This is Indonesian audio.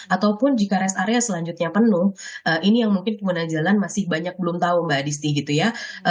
ataupun jika rest area selanjutnya penuh ini yang mungkin pengguna jalan masih banyak belum tahu mbak disney gitu ya